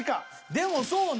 でもそうね。